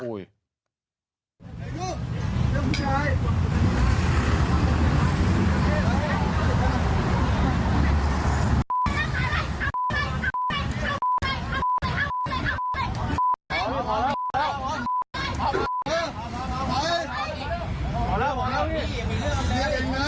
เรียกเองมา